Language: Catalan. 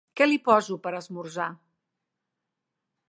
Què li poso per esmorzar?